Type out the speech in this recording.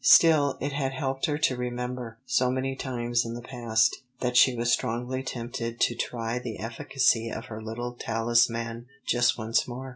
Still, it had helped her to remember, so many times in the past, that she was strongly tempted to try the efficacy of her little talisman just once more.